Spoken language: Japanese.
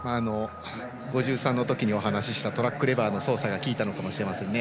５３のときにお話したトラックレバーの操作が効いたのかもしれませんね。